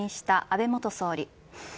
安倍元総理。